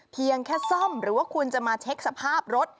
เพียงแค่ซ่อมหรือว่าคุณจะมาเช็คสภาพรถ